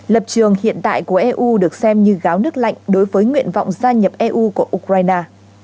lập trường hiện tại của eu được xem như gáo nước lạnh đối với nguyện vọng gia nhập eu của ukraine